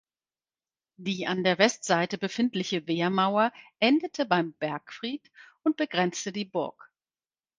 Die an der Westseite befindliche Wehrmauer endete beim Bergfried und begrenzte die Burg.